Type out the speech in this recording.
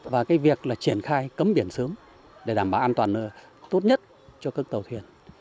và cái việc là triển khai cấm biển sớm để đảm bảo an toàn tốt nhất cho các tàu thuyền